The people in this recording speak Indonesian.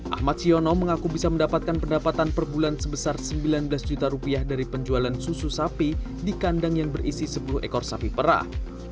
ahmad siono mengaku bisa mendapatkan pendapatan per bulan sebesar sembilan belas juta rupiah dari penjualan susu sapi di kandang yang berisi sepuluh ekor sapi perah